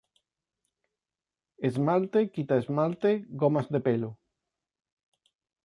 esmalte, quita -- esmalte, gomas de pelo.